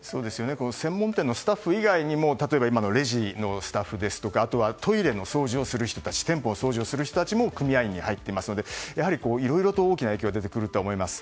専門店のスタッフ以外にもレジのスタッフやあとはトイレの掃除店舗の掃除をする人たちも組合員に入っていますのでいろいろと大きな影響があると思います。